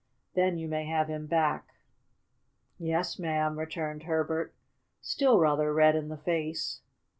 Then you may have him back." "Yes'm," returned Herbert, still rather red in the face.